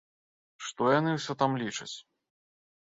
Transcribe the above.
Што яны ўсе там лічаць?